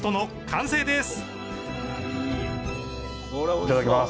いただきます！